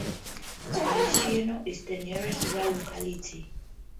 Zavalishcheno is the nearest rural locality.